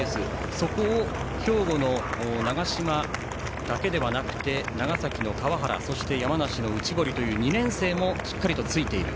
そこを兵庫の長嶋だけではなくて長崎の川原、山梨の内堀という２年生もしっかりとついている。